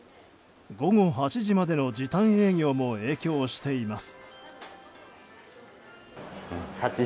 午後８時までの時短営業も影響しています。